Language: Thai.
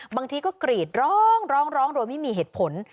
บางทีก็กรีดร้องร้องโดยไม่มีเหตุผล